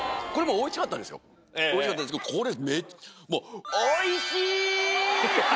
おいしかったんですけどこれ。